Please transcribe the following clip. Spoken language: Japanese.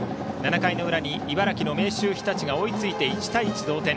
７回の裏に茨城の明秀日立が追いついて１対１、同点。